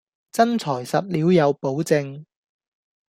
真材實料有保證